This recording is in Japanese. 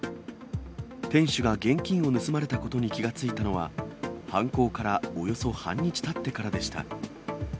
店主が現金を盗まれたことに気付いたのは、犯行からおよそ半日たってからでした。